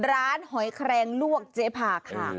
ร้านหอยแครงลวกเจภาค่ะ